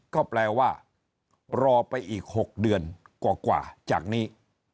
ก็แปลว่ารอไปอีก๖เดือนกว่าจากนี้